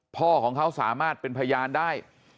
พ่อของเขาสามารถเป็นพยานได้